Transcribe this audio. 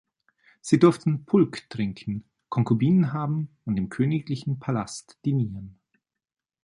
Sie durften „Pulque“ trinken, Konkubinen haben und im königlichen Palast dinieren.